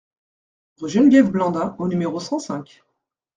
Rue Geneviève Blandin au numéro cent cinq